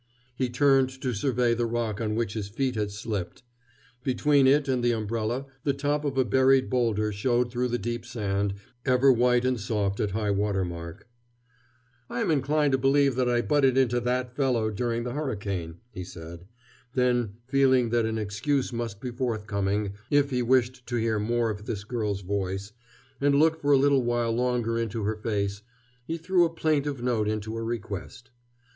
He turned to survey the rock on which his feet had slipped. Between it and the umbrella the top of a buried boulder showed through the deep sand, ever white and soft at highwater mark. "I am inclined to believe that I butted into that fellow during the hurricane," he said. Then, feeling that an excuse must be forthcoming, if he wished to hear more of this girl's voice, and look for a little while longer into her face, he threw a plaintive note into a request.